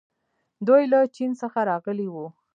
دوی له چین څخه راغلي وو